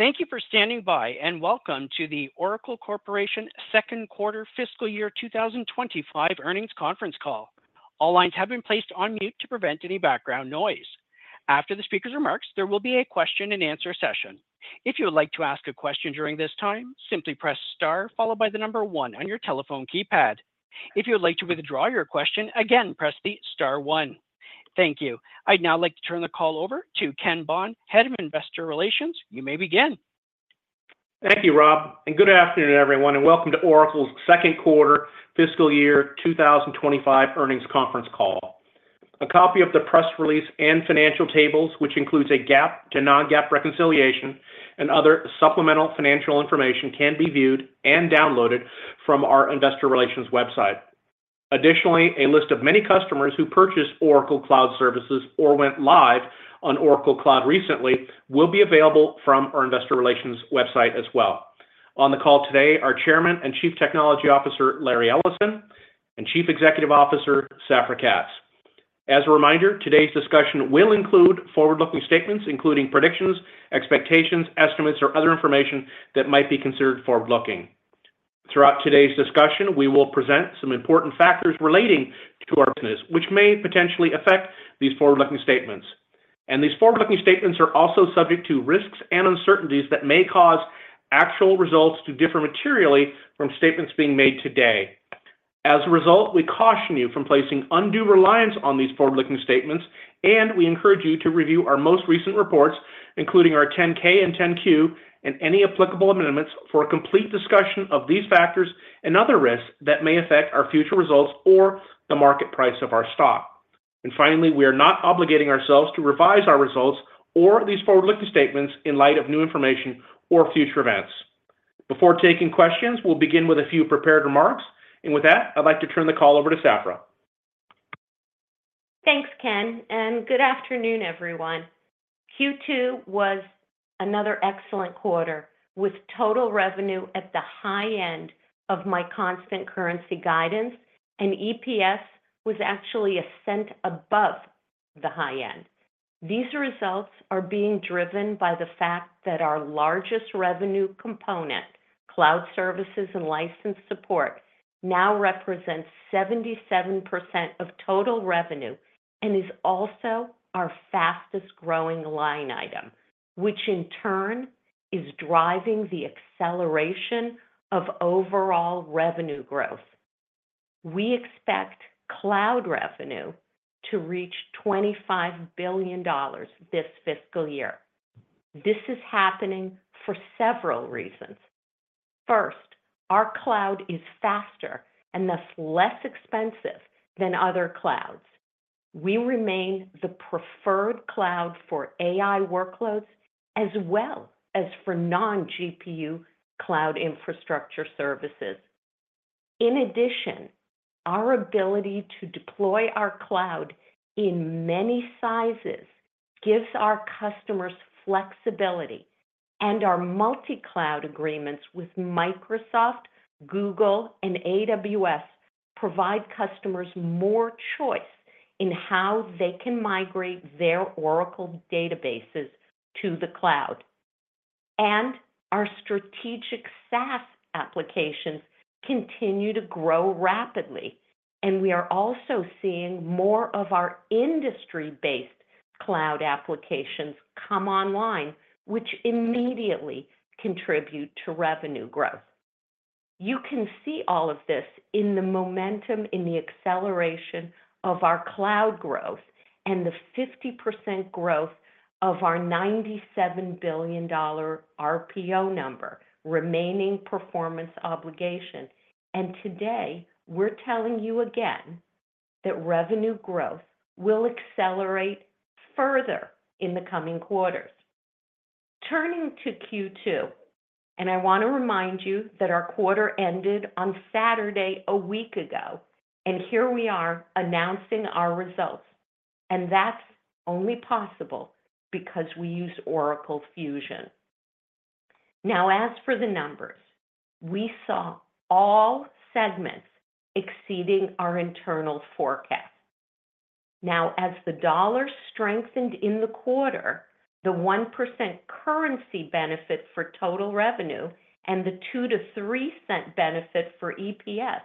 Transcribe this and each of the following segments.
Thank you for standing by, and welcome to the Oracle Corporation Second Quarter Fiscal Year 2025 Earnings Conference Call. All lines have been placed on mute to prevent any background noise. After the speaker's remarks, there will be a question-and-answer session. If you would like to ask a question during this time, simply press Star, followed by the number 1 on your telephone keypad. If you would like to withdraw your question, again, press the Star 1. Thank you. I'd now like to turn the call over to Ken Bond, Head of Investor Relations. You may begin. Thank you, Rob. And good afternoon, everyone, and welcome to Oracle's Second Quarter Fiscal Year 2025 Earnings Conference Call. A copy of the press release and financial tables, which includes a GAAP to non-GAAP reconciliation and other supplemental financial information, can be viewed and downloaded from our Investor Relations website. Additionally, a list of many customers who purchased Oracle Cloud Services or went live on Oracle Cloud recently will be available from our Investor Relations website as well. On the call today, our Chairman and Chief Technology Officer, Larry Ellison, and Chief Executive Officer, Safra Catz. As a reminder, today's discussion will include forward-looking statements, including predictions, expectations, estimates, or other information that might be considered forward-looking. Throughout today's discussion, we will present some important factors relating to our business, which may potentially affect these forward-looking statements. These forward-looking statements are also subject to risks and uncertainties that may cause actual results to differ materially from statements being made today. As a result, we caution you from placing undue reliance on these forward-looking statements, and we encourage you to review our most recent reports, including our 10-K and 10-Q, and any applicable amendments for a complete discussion of these factors and other risks that may affect our future results or the market price of our stock. Finally, we are not obligating ourselves to revise our results or these forward-looking statements in light of new information or future events. Before taking questions, we'll begin with a few prepared remarks. With that, I'd like to turn the call over to Safra. Thanks, Ken, and good afternoon, everyone. Q2 was another excellent quarter, with total revenue at the high end of my constant currency guidance, and EPS was actually a cent above the high end. These results are being driven by the fact that our largest revenue component, cloud services and license support, now represents 77% of total revenue and is also our fastest-growing line item, which in turn is driving the acceleration of overall revenue growth. We expect cloud revenue to reach $25 billion this fiscal year. This is happening for several reasons. First, our cloud is faster and thus less expensive than other clouds. We remain the preferred cloud for AI workloads, as well as for non-GPU cloud infrastructure services. In addition, our ability to deploy our cloud in many sizes gives our customers flexibility, and our multi-cloud agreements with Microsoft, Google, and AWS provide customers more choice in how they can migrate their Oracle databases to the cloud. And our strategic SaaS applications continue to grow rapidly, and we are also seeing more of our industry-based cloud applications come online, which immediately contribute to revenue growth. You can see all of this in the momentum, in the acceleration of our cloud growth and the 50% growth of our $97 billion RPO number, remaining performance obligation. And today, we're telling you again that revenue growth will accelerate further in the coming quarters. Turning to Q2, and I want to remind you that our quarter ended on Saturday a week ago, and here we are announcing our results. And that's only possible because we use Oracle Fusion. Now, as for the numbers, we saw all segments exceeding our internal forecast. Now, as the dollar strengthened in the quarter, the 1% currency benefit for total revenue and the $0.02-$0.03 benefit for EPS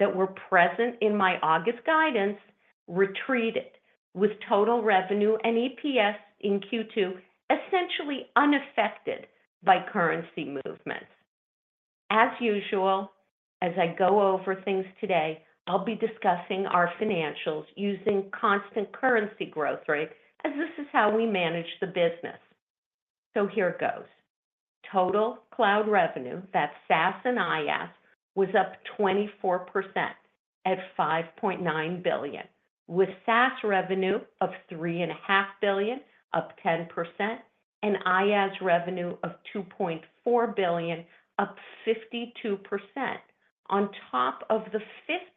that were present in my August guidance retreated, with total revenue and EPS in Q2 essentially unaffected by currency movements. As usual, as I go over things today, I'll be discussing our financials using constant currency growth rate, as this is how we manage the business. So here it goes. Total cloud revenue, that's SaaS and IaaS, was up 24% at $5.9 billion, with SaaS revenue of $3.5 billion, up 10%, and IaaS revenue of $2.4 billion, up 52%, on top of the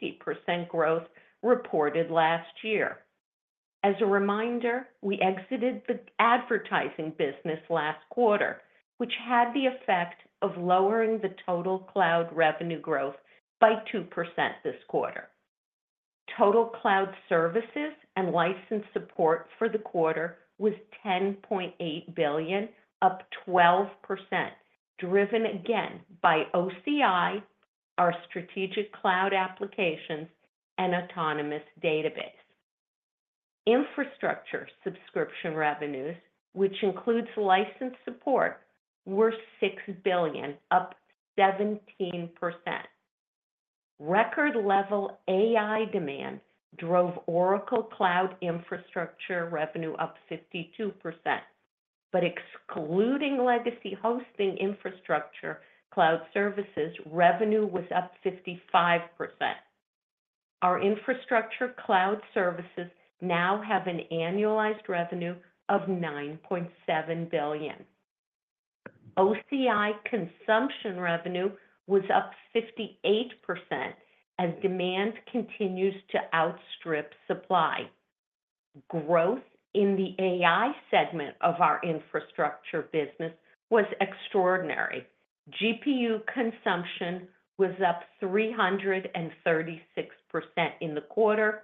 50% growth reported last year. As a reminder, we exited the advertising business last quarter, which had the effect of lowering the total cloud revenue growth by 2% this quarter. Total cloud services and license support for the quarter was $10.8 billion, up 12%, driven again by OCI, our strategic cloud applications, and Autonomous Database. Infrastructure subscription revenues, which includes license support, were $6 billion, up 17%. Record-level AI demand drove Oracle Cloud Infrastructure revenue up 52%. But excluding legacy hosting infrastructure, cloud services revenue was up 55%. Our infrastructure cloud services now have an annualized revenue of $9.7 billion. OCI consumption revenue was up 58% as demand continues to outstrip supply. Growth in the AI segment of our infrastructure business was extraordinary. GPU consumption was up 336% in the quarter,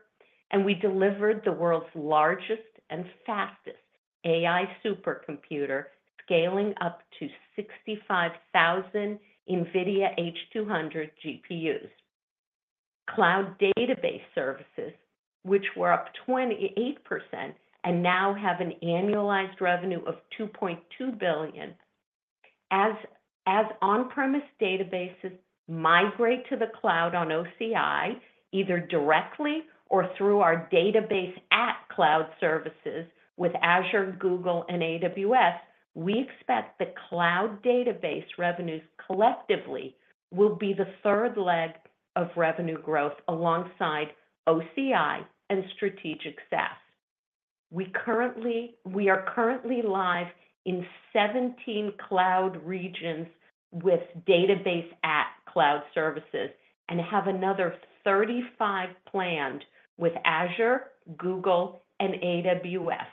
and we delivered the world's largest and fastest AI supercomputer, scaling up to 65,000 NVIDIA H200 GPUs. Cloud database services, which were up 28% and now have an annualized revenue of $2.2 billion. As on-premise databases migrate to the cloud on OCI, either directly or through our Database@ cloud services with Azure, Google, and AWS, we expect the cloud database revenues collectively will be the third leg of revenue growth alongside OCI and strategic SaaS. We are currently live in 17 cloud regions with Database@ cloud services and have another 35 planned with Azure, Google, and AWS.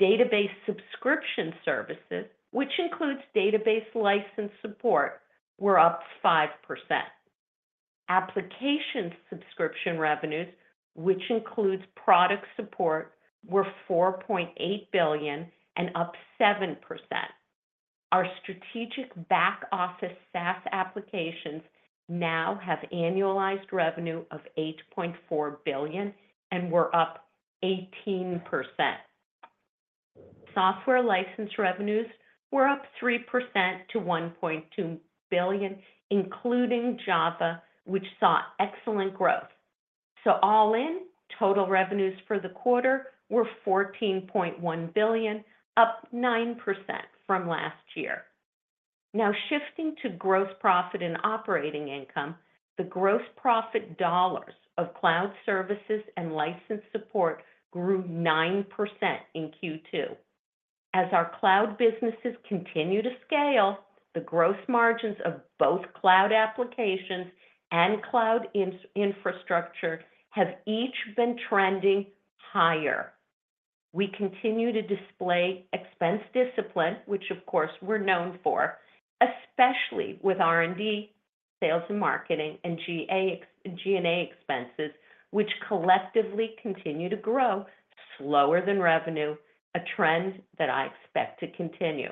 Database subscription services, which includes database license support, were up 5%. Application subscription revenues, which includes product support, were $4.8 billion and up 7%. Our strategic back office SaaS applications now have annualized revenue of $8.4 billion and were up 18%. Software license revenues were up 3% to $1.2 billion, including Java, which saw excellent growth. So all in, total revenues for the quarter were $14.1 billion, up 9% from last year. Now, shifting to gross profit and operating income, the gross profit dollars of cloud services and license support grew 9% in Q2. As our cloud businesses continue to scale, the gross margins of both cloud applications and cloud infrastructure have each been trending higher. We continue to display expense discipline, which, of course, we're known for, especially with R&D, sales and marketing, and G&A expenses, which collectively continue to grow slower than revenue, a trend that I expect to continue.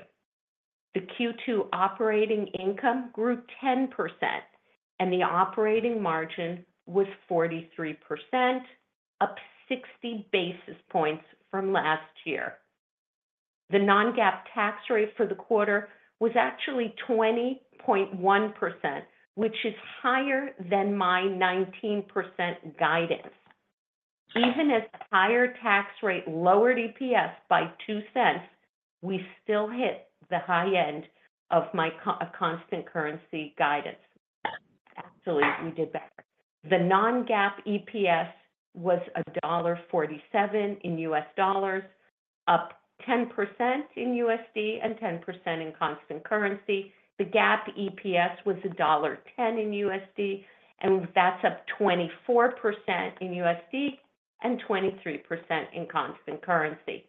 The Q2 operating income grew 10%, and the operating margin was 43%, up 60 basis points from last year. The non-GAAP tax rate for the quarter was actually 20.1%, which is higher than my 19% guidance. Even as the higher tax rate lowered EPS by $0.02, we still hit the high end of my constant currency guidance. Actually, we did better. The non-GAAP EPS was $1.47 in US dollars, up 10% in USD and 10% in constant currency. The GAAP EPS was $1.10 in USD, and that's up 24% in USD and 23% in constant currency.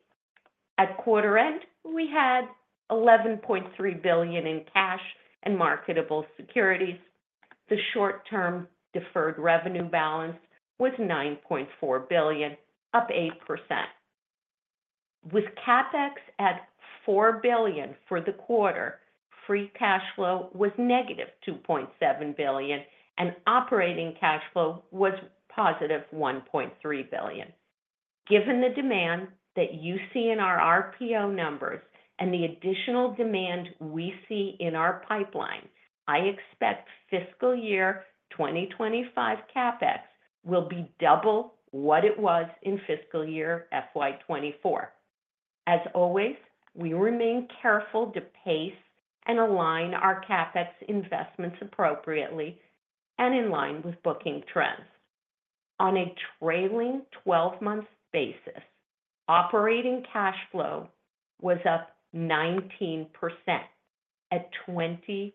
At quarter end, we had $11.3 billion in cash and marketable securities. The short-term deferred revenue balance was $9.4 billion, up 8%. With CapEx at $4 billion for the quarter, free cash flow was negative $2.7 billion, and operating cash flow was positive $1.3 billion. Given the demand that you see in our RPO numbers and the additional demand we see in our pipeline, I expect fiscal year 2025 CapEx will be double what it was in fiscal year 2024. As always, we remain careful to pace and align our CapEx investments appropriately and in line with booking trends. On a trailing 12-month basis, operating cash flow was up 19% at $20.3 billion,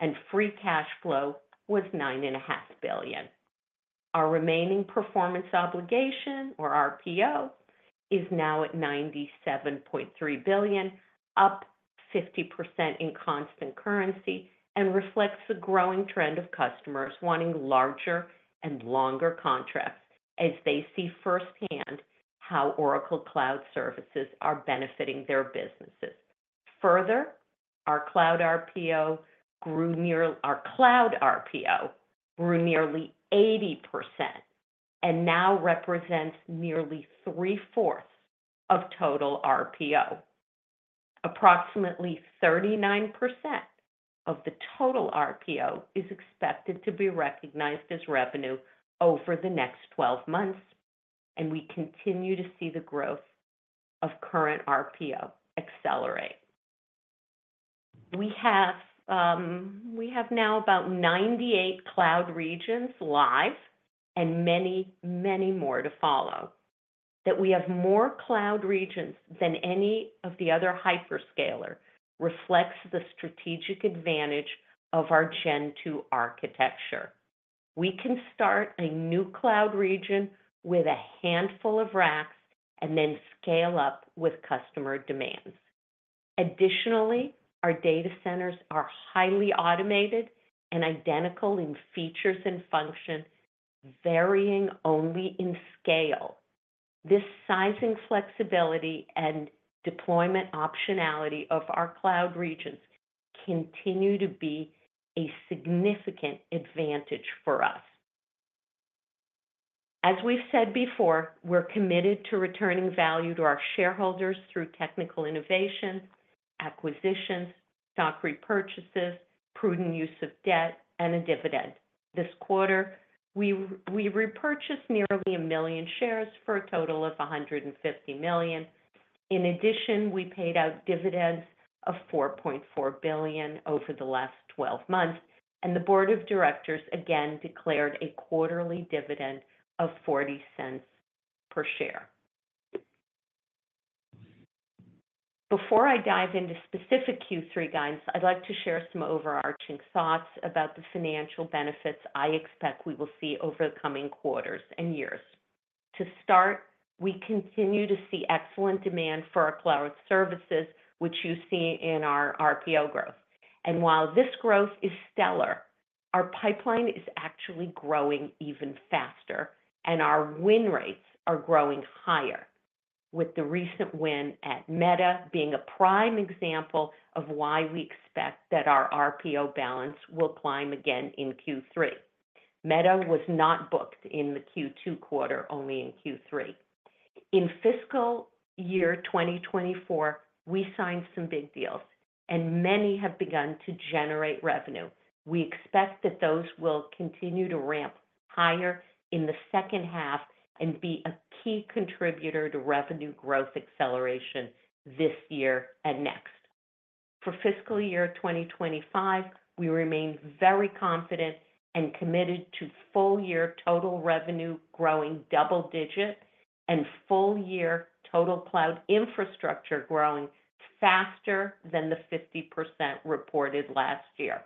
and free cash flow was $9.5 billion. Our remaining performance obligation, or RPO, is now at $97.3 billion, up 50% in constant currency, and reflects the growing trend of customers wanting larger and longer contracts as they see firsthand how Oracle Cloud Services are benefiting their businesses. Further, our cloud RPO grew nearly 80% and now represents nearly 3/4 of total RPO. Approximately 39% of the total RPO is expected to be recognized as revenue over the next 12 months, and we continue to see the growth of current RPO accelerate. We have now about 98 cloud regions live and many, many more to follow. That we have more cloud regions than any of the other hyperscalers reflects the strategic advantage of our Gen 2 architecture. We can start a new cloud region with a handful of racks and then scale up with customer demands. Additionally, our data centers are highly automated and identical in features and function, varying only in scale. This sizing flexibility and deployment optionality of our cloud regions continue to be a significant advantage for us. As we've said before, we're committed to returning value to our shareholders through technical innovations, acquisitions, stock repurchases, prudent use of debt, and a dividend. This quarter, we repurchased nearly a million shares for a total of $150 million. In addition, we paid out dividends of $4.4 billion over the last 12 months, and the board of directors again declared a quarterly dividend of $0.40 per share. Before I dive into specific Q3 guidance, I'd like to share some overarching thoughts about the financial benefits I expect we will see over the coming quarters and years. To start, we continue to see excellent demand for our cloud services, which you see in our RPO growth. While this growth is stellar, our pipeline is actually growing even faster, and our win rates are growing higher, with the recent win at Meta being a prime example of why we expect that our RPO balance will climb again in Q3. Meta was not booked in the Q2 quarter, only in Q3. In fiscal year 2024, we signed some big deals, and many have begun to generate revenue. We expect that those will continue to ramp higher in the second half and be a key contributor to revenue growth acceleration this year and next. For fiscal year 2025, we remain very confident and committed to full-year total revenue growing double-digit and full-year total cloud infrastructure growing faster than the 50% reported last year.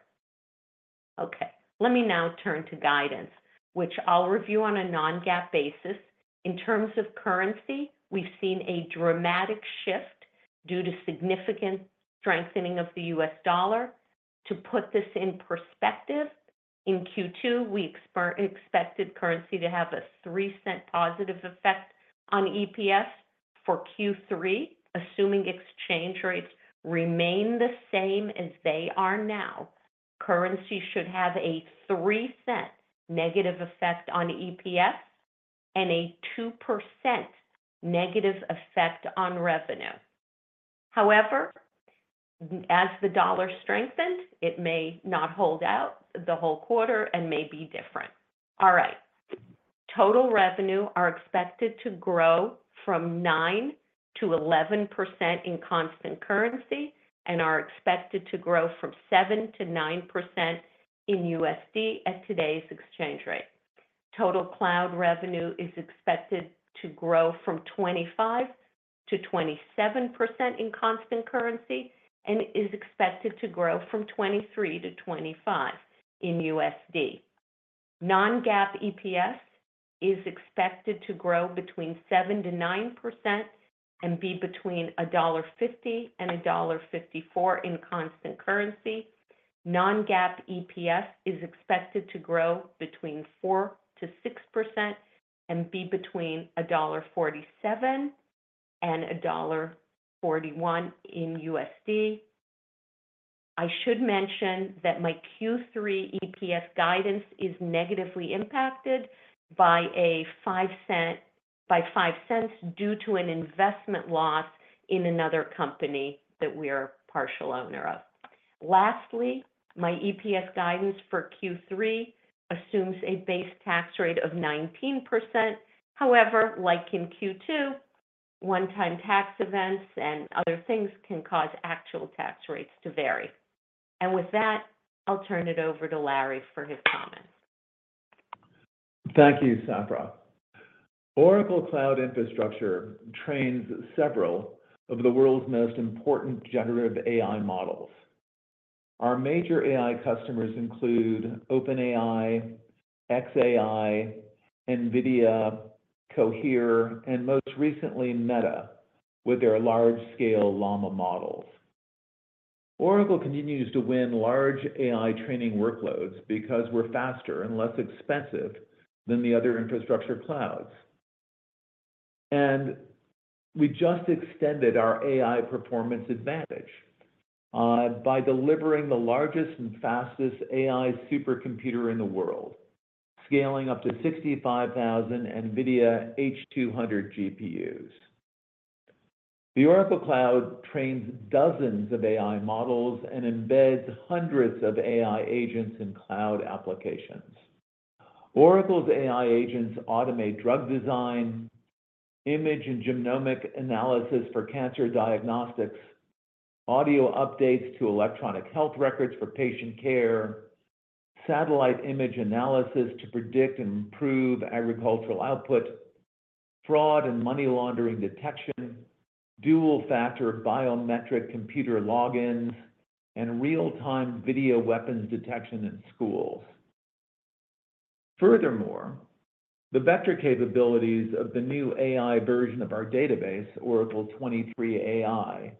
Okay. Let me now turn to guidance, which I'll review on a non-GAAP basis. In terms of currency, we've seen a dramatic shift due to significant strengthening of the U.S. dollar. To put this in perspective, in Q2, we expected currency to have a $0.03 positive effect on EPS. For Q3, assuming exchange rates remain the same as they are now, currency should have a $0.03 negative effect on EPS and a 2% negative effect on revenue. However, as the dollar strengthens, it may not hold out the whole quarter and may be different. All right. Total revenue is expected to grow from 9% to 11% in constant currency and is expected to grow from 7% to 9% in USD at today's exchange rate. Total cloud revenue is expected to grow from 25% to 27% in constant currency and is expected to grow from 23% to 25% in USD. Non-GAAP EPS is expected to grow between 7% to 9% and be between $1.50 and $1.54 in constant currency. Non-GAAP EPS is expected to grow between 4% to 6% and be between $1.47 and $1.41 in USD. I should mention that my Q3 EPS guidance is negatively impacted by $0.05 due to an investment loss in another company that we are partial owner of. Lastly, my EPS guidance for Q3 assumes a base tax rate of 19%. However, like in Q2, one-time tax events and other things can cause actual tax rates to vary. And with that, I'll turn it over to Larry for his comments. Thank you, Safra. Oracle Cloud Infrastructure trains several of the world's most important generative AI models. Our major AI customers include OpenAI, xAI, NVIDIA, Cohere, and most recently Meta, with their large-scale Llama models. Oracle continues to win large AI training workloads because we're faster and less expensive than the other infrastructure clouds, and we just extended our AI performance advantage by delivering the largest and fastest AI supercomputer in the world, scaling up to 65,000 NVIDIA H200 GPUs. The Oracle Cloud trains dozens of AI models and embeds hundreds of AI agents in cloud applications. Oracle's AI agents automate drug design, image and genomic analysis for cancer diagnostics, audio updates to electronic health records for patient care, satellite image analysis to predict and improve agricultural output, fraud and money laundering detection, dual-factor biometric computer logins, and real-time video weapons detection in schools. Furthermore, the vector capabilities of the new AI version of our database, Oracle 23ai,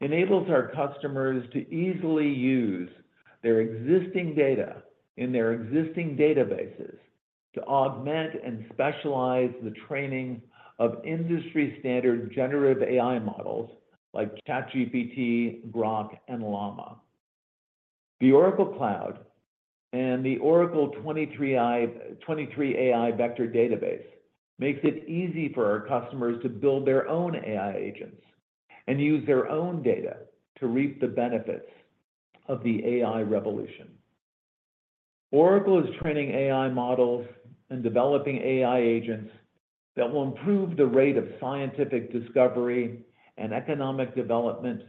enable our customers to easily use their existing data in their existing databases to augment and specialize the training of industry-standard generative AI models like ChatGPT, Grok, and Llama. The Oracle Cloud and the Oracle 23ai vector database make it easy for our customers to build their own AI agents and use their own data to reap the benefits of the AI revolution. Oracle is training AI models and developing AI agents that will improve the rate of scientific discovery and economic development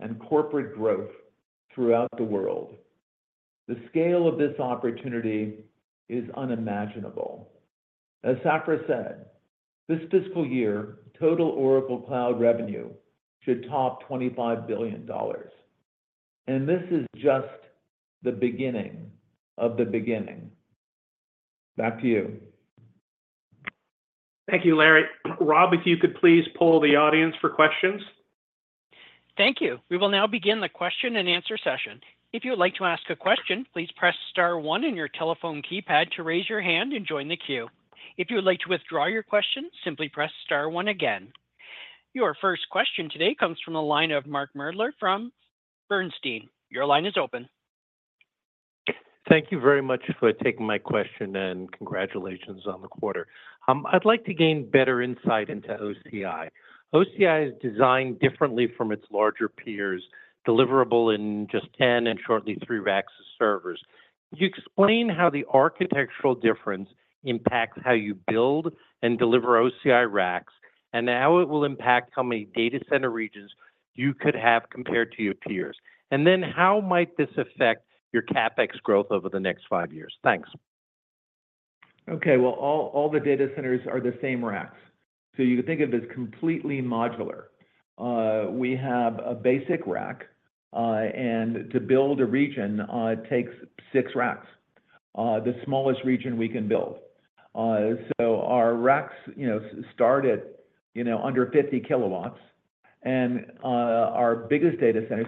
and corporate growth throughout the world. The scale of this opportunity is unimaginable. As Safra said, this fiscal year, total Oracle Cloud revenue should top $25 billion. And this is just the beginning of the beginning. Back to you. Thank you, Larry. Rob, if you could please poll the audience for questions. Thank you. We will now begin the question-and-answer session. If you'd like to ask a question, please press star one in your telephone keypad to raise your hand and join the queue. If you'd like to withdraw your question, simply press star one again. Your first question today comes from the line of Mark Moerdler from Bernstein. Your line is open. Thank you very much for taking my question and congratulations on the quarter. I'd like to gain better insight into OCI. OCI is designed differently from its larger peers, deliverable in just 10 and shortly three racks of servers. Could you explain how the architectural difference impacts how you build and deliver OCI racks and how it will impact how many data center regions you could have compared to your peers? And then how might this affect your CapEx growth over the next five years? Thanks. Okay. Well, all the data centers are the same racks. So you could think of it as completely modular. We have a basic rack, and to build a region takes six racks, the smallest region we can build. So our racks start at under 50 kilowatts. And our biggest data center.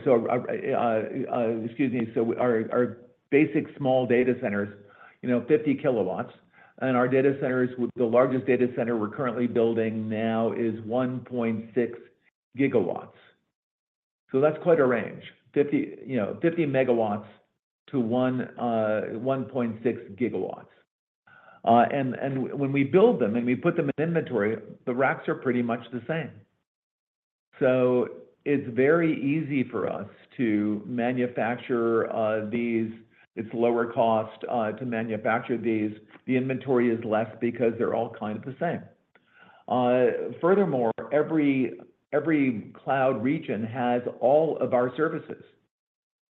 Excuse me. So our basic small data center is 50 kilowatts. And our data centers, the largest data center we're currently building now is 1.6 gigawatts. So that's quite a range: 50 megawatts-1.6 gigawatts. And when we build them and we put them in inventory, the racks are pretty much the same. So it's very easy for us to manufacture these. It's lower cost to manufacture these. The inventory is less because they're all kind of the same. Furthermore, every cloud region has all of our services.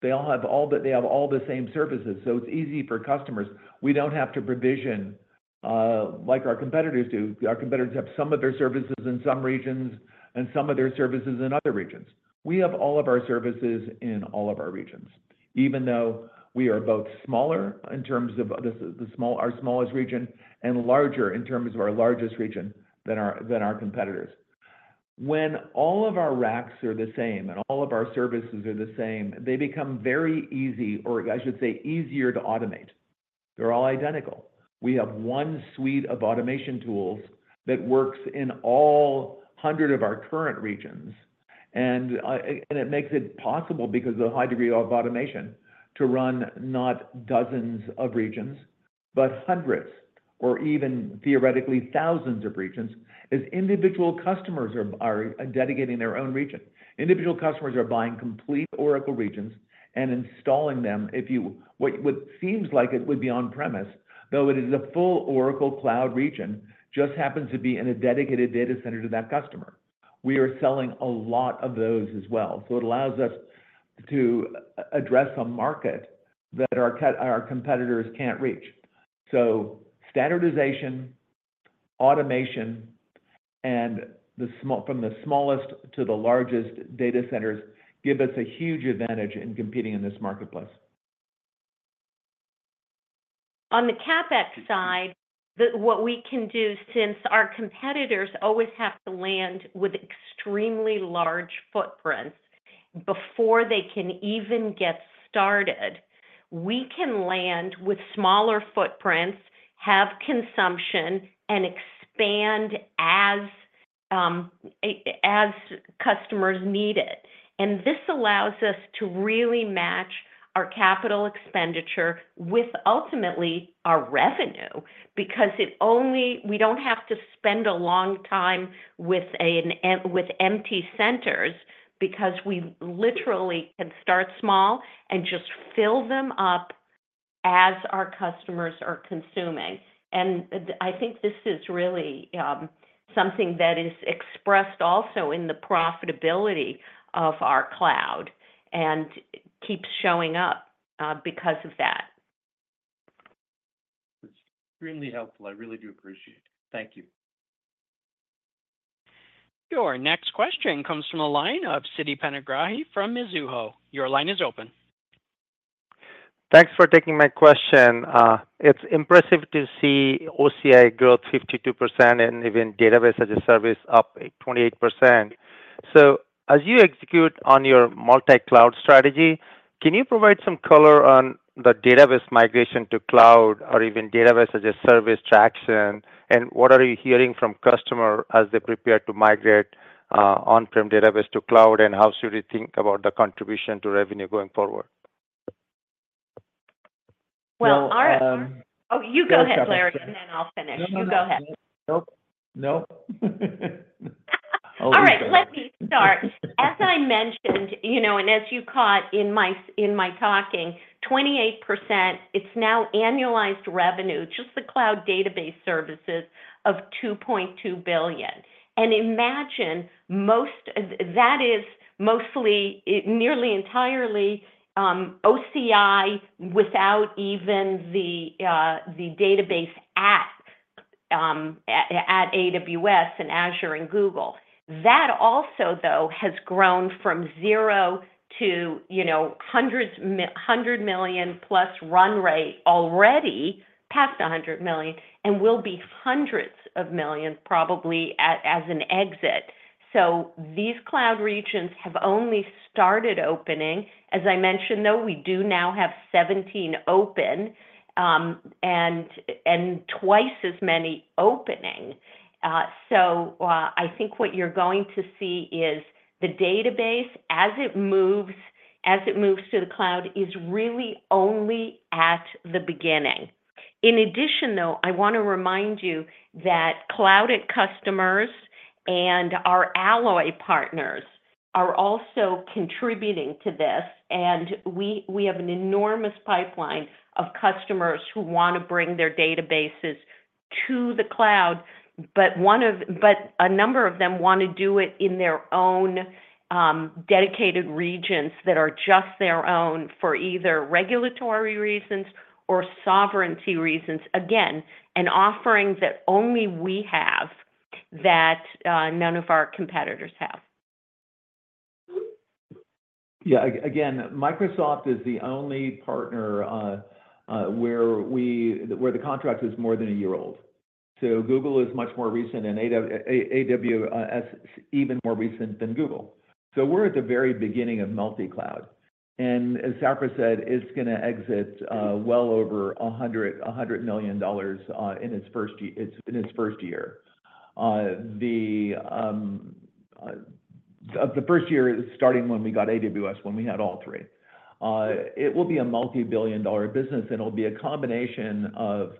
They all have all the same services. So it's easy for customers. We don't have to provision like our competitors do. Our competitors have some of their services in some regions and some of their services in other regions. We have all of our services in all of our regions, even though we are both smaller in terms of our smallest region and larger in terms of our largest region than our competitors. When all of our racks are the same and all of our services are the same, they become very easy, or I should say easier, to automate. They're all identical. We have one suite of automation tools that works in all 100 of our current regions. It makes it possible, because of the high degree of automation, to run not dozens of regions, but hundreds or even theoretically thousands of regions as individual customers are dedicating their own region. Individual customers are buying complete Oracle regions and installing them. What seems like it would be on-premises, though it is a full Oracle Cloud region, just happens to be in a dedicated data center to that customer. We are selling a lot of those as well. It allows us to address a market that our competitors can't reach. Standardization, automation, and from the smallest to the largest data centers give us a huge advantage in competing in this marketplace. On the CapEx side, what we can do since our competitors always have to land with extremely large footprints before they can even get started, we can land with smaller footprints, have consumption, and expand as customers need it, and this allows us to really match our capital expenditure with ultimately our revenue because we don't have to spend a long time with empty centers because we literally can start small and just fill them up as our customers are consuming, and I think this is really something that is expressed also in the profitability of our cloud and keeps showing up because of that. It's extremely helpful. I really do appreciate it. Thank you. Your next question comes from the line of Siti Panigrahi from Mizuho. Your line is open. Thanks for taking my question. It's impressive to see OCI growth 52% and even database as a service up 28%. So as you execute on your multi-cloud strategy, can you provide some color on the database migration to cloud or even database as a service traction? And what are you hearing from customers as they prepare to migrate on-prem database to cloud? And how should we think about the contribution to revenue going forward? Well, our, oh, you go ahead, Larry, and then I'll finish. You go ahead. Nope. Nope. All right. Let me start. As I mentioned, and as you caught in my talking, 28%, it's now annualized revenue, just the cloud database services, of $2.2 billion. And imagine that is nearly entirely OCI without even the Database@AWS and Azure and Google. That also, though, has grown from zero to $100 million-plus run rate already, past $100 million, and will be hundreds of millions probably as an exit. So these cloud regions have only started opening. As I mentioned, though, we do now have 17 open and twice as many opening. So I think what you're going to see is the database, as it moves to the cloud, is really only at the beginning. In addition, though, I want to remind you that cloud-enabled customers and our Alloy partners are also contributing to this. And we have an enormous pipeline of customers who want to bring their databases to the cloud, but a number of them want to do it in their own dedicated regions that are just their own for either regulatory reasons or sovereignty reasons. Again, an offering that only we have that none of our competitors have. Yeah. Again, Microsoft is the only partner where the contract is more than a year old, so Google is much more recent, and AWS is even more recent than Google, so we're at the very beginning of multi-cloud, and as Safra said, it's going to exceed well over $100 million in its first year. The first year is starting when we got AWS, when we had all three. It will be a multi-billion-dollar business, and it'll be a combination of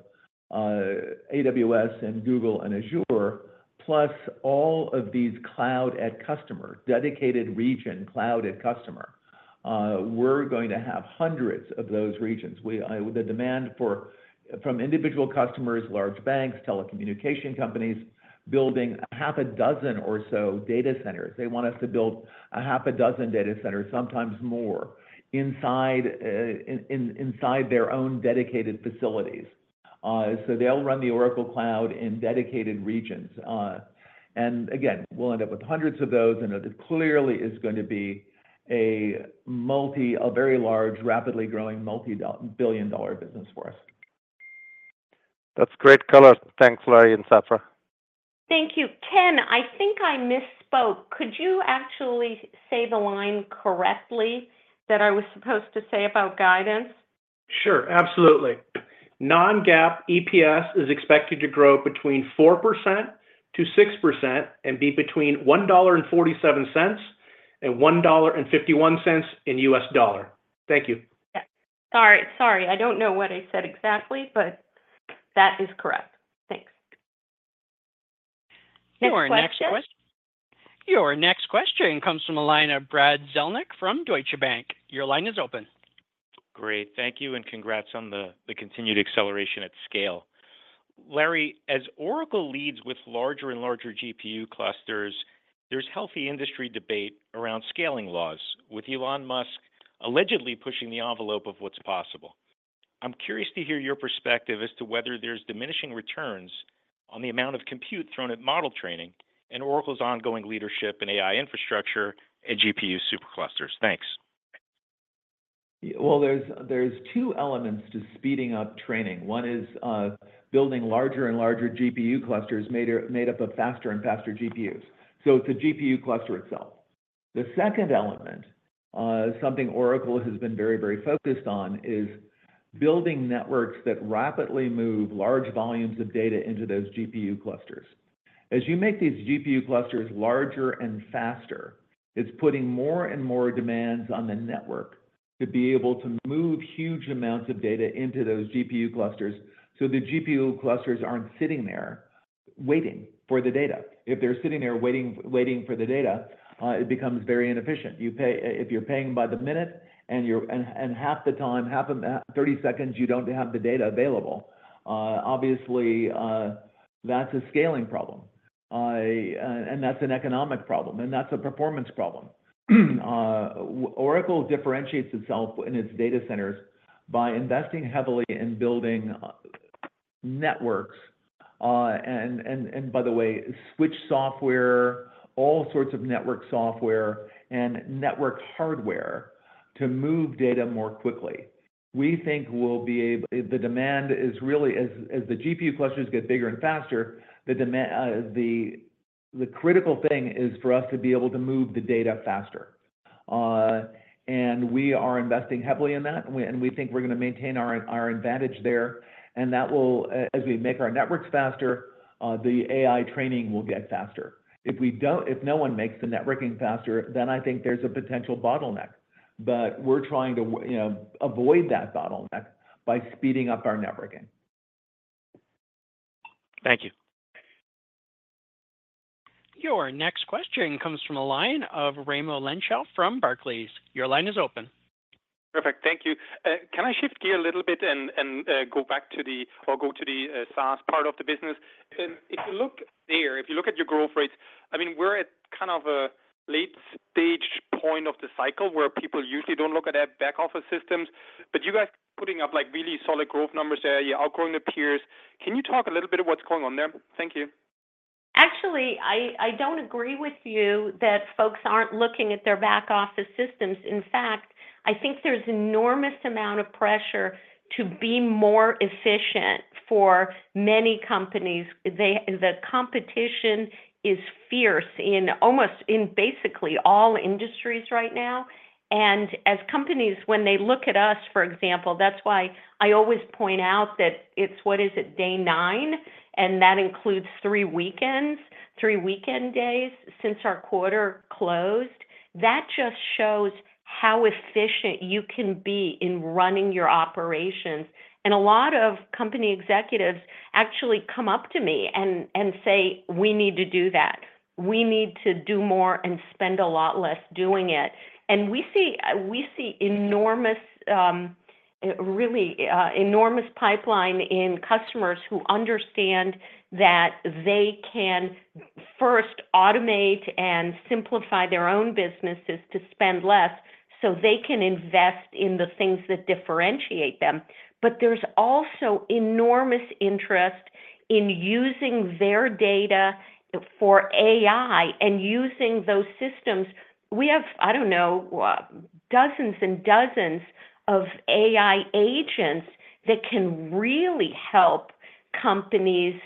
AWS and Google and Azure, plus all of these cloud customers, dedicated region cloud customers. We're going to have hundreds of those regions. The demand from individual customers, large banks, telecommunication companies is building a half a dozen or so data centers. They want us to build a half a dozen data centers, sometimes more, inside their own dedicated facilities, so they'll run the Oracle Cloud in dedicated regions. And again, we'll end up with hundreds of those, and it clearly is going to be a very large, rapidly growing multi-billion dollar business for us. That's great color. Thanks, Larry and Safra. Thank you. Ken, I think I misspoke. Could you actually say the line correctly that I was supposed to say about guidance? Sure. Absolutely. Non-GAAP EPS is expected to grow between 4%-6% and be between $1.47-$1.51 in US dollars. Thank you. Sorry. Sorry. I don't know what I said exactly, but that is correct. Thanks. Your next question comes from Brad Zelnick from Deutsche Bank. Your line is open. Great. Thank you, and congrats on the continued acceleration at scale. Larry, as Oracle leads with larger and larger GPU clusters, there's healthy industry debate around scaling laws, with Elon Musk allegedly pushing the envelope of what's possible. I'm curious to hear your perspective as to whether there's diminishing returns on the amount of compute thrown at model training and Oracle's ongoing leadership in AI infrastructure and GPU superclusters. Thanks. Well, there's two elements to speeding up training. One is building larger and larger GPU clusters made up of faster and faster GPUs. So it's a GPU cluster itself. The second element, something Oracle has been very, very focused on, is building networks that rapidly move large volumes of data into those GPU clusters. As you make these GPU clusters larger and faster, it's putting more and more demands on the network to be able to move huge amounts of data into those GPU clusters so the GPU clusters aren't sitting there waiting for the data. If they're sitting there waiting for the data, it becomes very inefficient. If you're paying by the minute and half the time, half of that 30 seconds, you don't have the data available, obviously, that's a scaling problem. And that's an economic problem. And that's a performance problem. Oracle differentiates itself in its data centers by investing heavily in building networks and, by the way, switch software, all sorts of network software, and network hardware to move data more quickly. We think we'll be able. The demand is really, as the GPU clusters get bigger and faster, the critical thing is for us to be able to move the data faster. And we are investing heavily in that, and we think we're going to maintain our advantage there. And as we make our networks faster, the AI training will get faster. If no one makes the networking faster, then I think there's a potential bottleneck. But we're trying to avoid that bottleneck by speeding up our networking. Thank you. Your next question comes from Raimo Lenschow from Barclays. Your line is open. Perfect. Thank you. Can I shift gears a little bit and go back to the—or go to the SaaS part of the business? If you look there, if you look at your growth rates, I mean, we're at kind of a late-stage point of the cycle where people usually don't look at their back-office systems. But you guys are putting up really solid growth numbers there, outgrowing the peers. Can you talk a little bit of what's going on there? Thank you. Actually, I don't agree with you that folks aren't looking at their back-office systems. In fact, I think there's an enormous amount of pressure to be more efficient for many companies. The competition is fierce in almost basically all industries right now. And as companies, when they look at us, for example, that's why I always point out that it's - what is it? - Day 9, and that includes three weekends, three weekend days since our quarter closed. That just shows how efficient you can be in running your operations. And a lot of company executives actually come up to me and say, "We need to do that. We need to do more and spend a lot less doing it." And we see really an enormous pipeline in customers who understand that they can first automate and simplify their own businesses to spend less so they can invest in the things that differentiate them. But there's also enormous interest in using their data for AI and using those systems. We have, I don't know, dozens and dozens of AI agents that can really help companies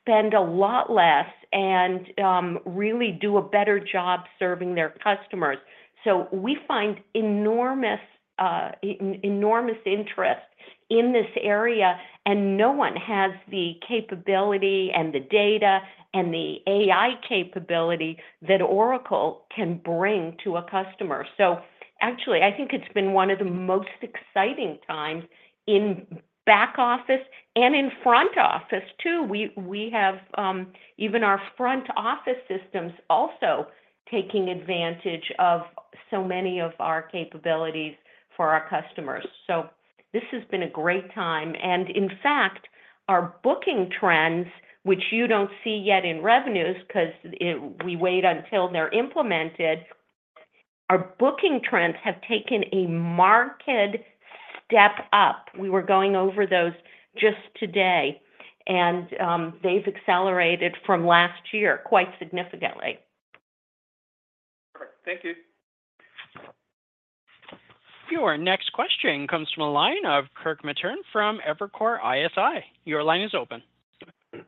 spend a lot less and really do a better job serving their customers. So we find enormous interest in this area, and no one has the capability and the data and the AI capability that Oracle can bring to a customer. So actually, I think it's been one of the most exciting times in back-office and in front-office too. We have even our front-office systems also taking advantage of so many of our capabilities for our customers. So this has been a great time. And in fact, our booking trends, which you don't see yet in revenues because we wait until they're implemented, our booking trends have taken a marked step up. We were going over those just today, and they've accelerated from last year quite significantly. Perfect. Thank you. Your next question comes from Kirk Materne from Evercore ISI. Your line is open.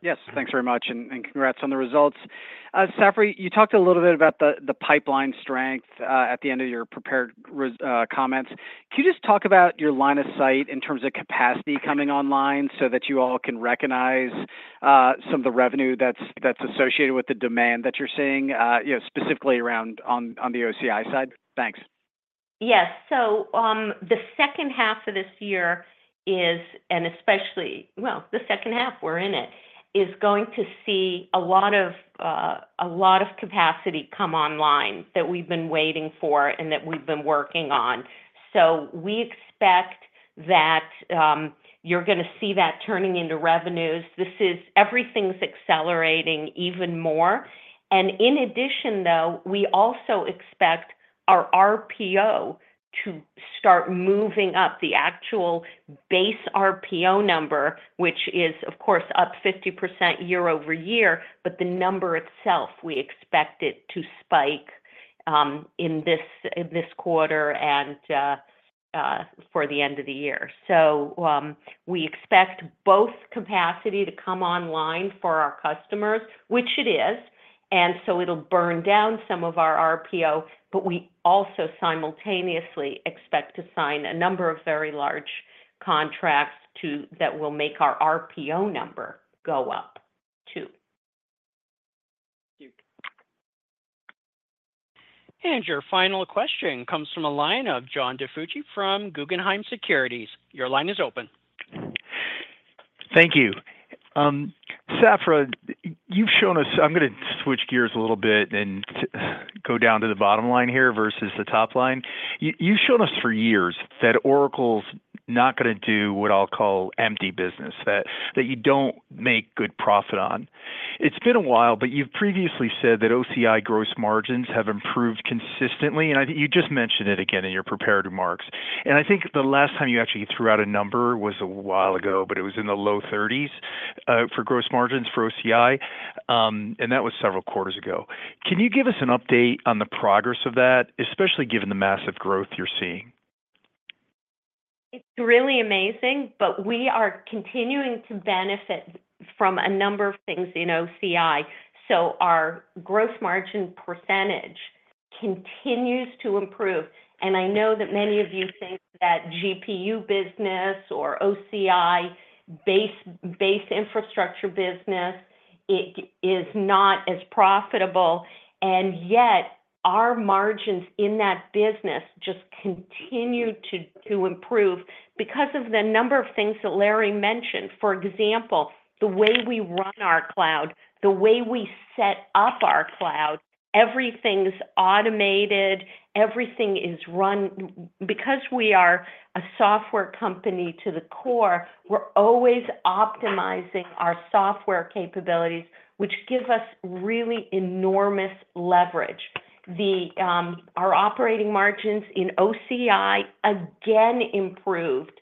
Yes. Thanks very much, and congrats on the results. Safra, you talked a little bit about the pipeline strength at the end of your prepared comments. Can you just talk about your line of sight in terms of capacity coming online so that you all can recognize some of the revenue that's associated with the demand that you're seeing specifically around on the OCI side? Thanks. Yes. So the second half of this year is—and especially, well, the second half, we're in it—is going to see a lot of capacity come online that we've been waiting for and that we've been working on. So we expect that you're going to see that turning into revenues. Everything's accelerating even more. And in addition, though, we also expect our RPO to start moving up. The actual base RPO number, which is, of course, up 50% year-over-year, but the number itself, we expect it to spike in this quarter and for the end of the year. So we expect both capacity to come online for our customers, which it is. And so it'll burn down some of our RPO, but we also simultaneously expect to sign a number of very large contracts that will make our RPO number go up too. Thank you. And your final question comes from the line of John DiFucci from Guggenheim Securities. Your line is open. Thank you. Safra, you've shown us. I'm going to switch gears a little bit and go down to the bottom line here versus the top line. You've shown us for years that Oracle's not going to do what I'll call empty business, that you don't make good profit on. It's been a while, but you've previously said that OCI gross margins have improved consistently, and I think you just mentioned it again in your prepared remarks, and I think the last time you actually threw out a number was a while ago, but it was in the low 30s% for gross margins for OCI, and that was several quarters ago. Can you give us an update on the progress of that, especially given the massive growth you're seeing? It's really amazing, but we are continuing to benefit from a number of things in OCI, so our gross margin percentage continues to improve, and I know that many of you think that GPU business or OCI-based infrastructure business is not as profitable, and yet, our margins in that business just continue to improve because of the number of things that Larry mentioned. For example, the way we run our cloud, the way we set up our cloud, everything's automated. Everything is run. Because we are a software company to the core, we're always optimizing our software capabilities, which give us really enormous leverage. Our operating margins in OCI, again, improved.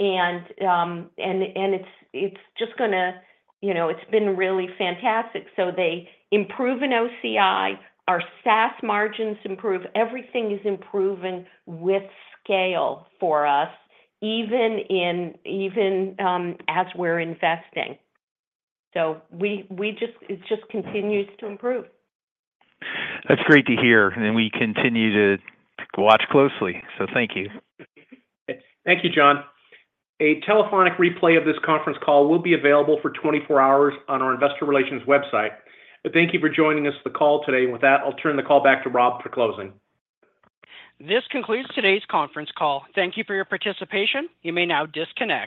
And it's just going to. It's been really fantastic. So they improve in OCI, our SaaS margins improve. Everything is improving with scale for us, even as we're investing. So it just continues to improve. That's great to hear. And we continue to watch closely. So thank you. Thank you, John. A telephonic replay of this conference call will be available for 24 hours on our investor relations website. But thank you for joining us for the call today. And with that, I'll turn the call back to Rob for closing. This concludes today's conference call. Thank you for your participation. You may now disconnect.